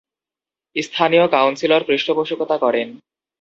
স্থানীয় কাউন্সিলর পৃষ্ঠপোষকতা করেন।